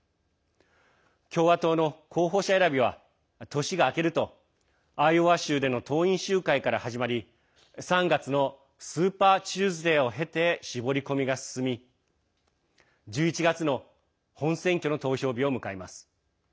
共和党の候補者選びは年が明けるとアイオワ州での党員集会から始まり３月のスーパーチューズデーを経て絞り込みが進み１１月の本選挙の投票日を迎えます。